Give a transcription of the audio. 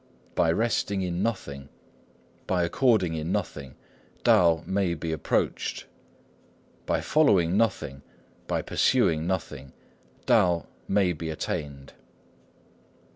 By resting in nothing, by according in nothing, Tao may be approached. By following nothing, by pursuing nothing, Tao may be attained."